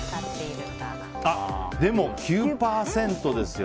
でも９％ですよ。